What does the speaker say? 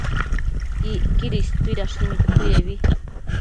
Icquidi istuidashi nidtuidebi